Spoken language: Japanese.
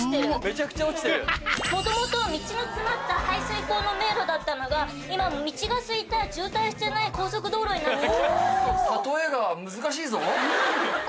もともと道の詰まった排水溝の迷路だったのが今道がすいた渋滞してない高速道路になった。